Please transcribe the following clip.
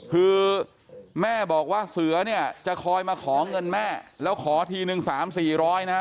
คือแม่บอกว่าเสือเนี่ยจะคอยมาขอเงินแม่แล้วขอทีนึง๓๔๐๐นะฮะ